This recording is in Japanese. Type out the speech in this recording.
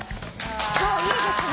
今日いいですね。